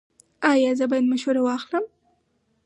ایا زه باید مشوره واخلم؟